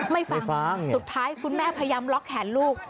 ไม่ฟังสุดท้ายคุณแม่พยายามล็อกแขนลูก